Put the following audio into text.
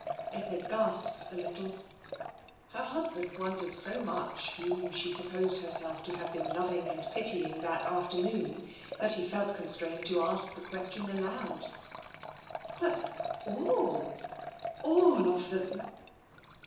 Edna gasped a little. Her husband wondered so much whom she sup posed herself to have been loving and pitying that afternoon, that he felt constrained to ask the question aloud. " But all — all of them